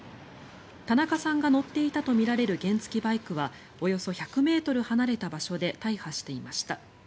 田中さんが乗っていたとみられる原付きバイクはおよそ１００ｍ離れた場所で大破していました。